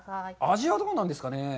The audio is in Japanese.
味はどうなんですかね。